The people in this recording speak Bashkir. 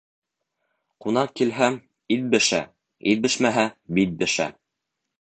Кунаҡ килһә, ит бешә, ит бешмәһә, бит бешә.